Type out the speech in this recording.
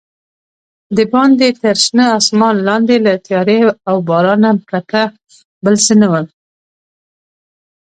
دباندې تر شنه اسمان لاندې له تیارې او بارانه پرته بل څه نه ول.